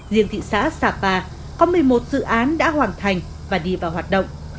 riêng thị xã sapa có một mươi một dự án đã hoàn thành và đi vào hoạt động